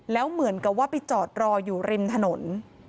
แล้วเหมือนกับว่าไปจอดรออยู่ริมถนน